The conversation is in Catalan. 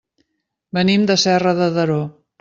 Venim de Serra de Daró.